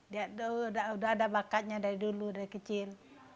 dia sudah ada bakatnya dari dulu dari kecil